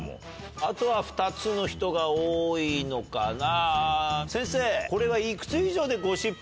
あとは２つの人が多いのかな。